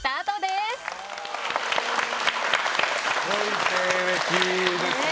すごい経歴ですね。